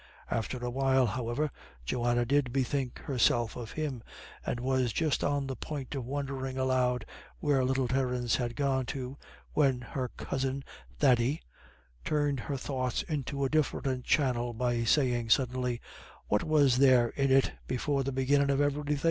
After a while, however, Johanna did bethink herself of him, and was just on the point of wondering aloud where little Terence had gone to, when her cousin Thady turned her thoughts into a different channel by suddenly saying, "What was there in it before the beginnin' of everythin'?"